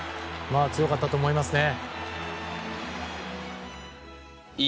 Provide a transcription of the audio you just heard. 強かったと思いますね。